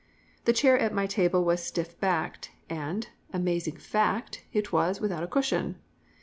The chair at my table was "stiff backed," and, amazing fact, it was "without a cushion."